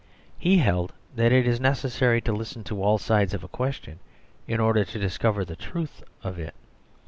He held that it is necessary to listen to all sides of a question in order to discover the truth of it.